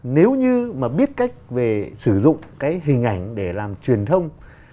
nếu như mà biết cách về sử dụng cái hình ảnh để làm truyền thông